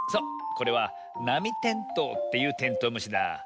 これはナミテントウっていうテントウムシだ。